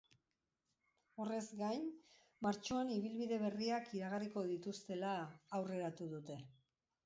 Horrez gain, martxoan ibilbide berriak iragarriko dituztela aurreratu dute.